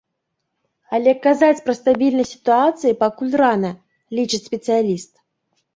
Але казаць пра стабільнасць сітуацыі пакуль рана, лічыць спецыяліст.